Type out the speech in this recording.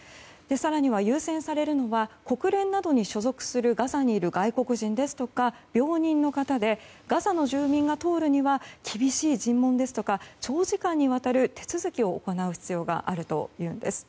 更には優先されるのは国連などに所属するガザにいる外国人ですとか病人の方でガザの住民が通るには厳しい尋問ですとか長時間にわたる手続きを行う必要があるというのです。